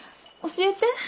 教えて。